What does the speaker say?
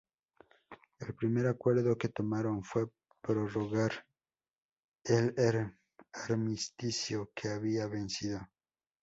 El primer acuerdo que tomaron fue prorrogar el armisticio, que había vencido.